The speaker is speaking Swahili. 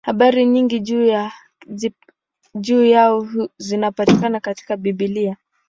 Habari nyingi juu yao zinapatikana katika Biblia.